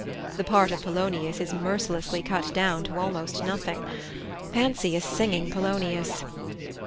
The part of Polonius is mercilessly cut down to almost nothing. Fancy a singing Polonius!